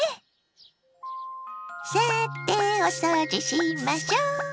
さてお掃除しましょ！